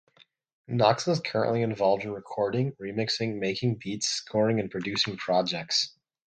Knox currently is involved in recording, remixing, making beats, scoring and producing projects.